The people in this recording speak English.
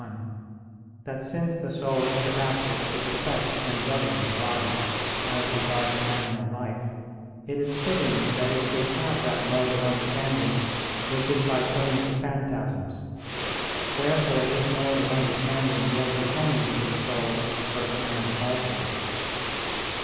1) that since the soul is adapted to perfect and govern the body, as regards animal life, it is fitting that it should have that mode of understanding which is by turning to phantasms. Wherefore this mode of understanding was becoming to the soul of the first man also.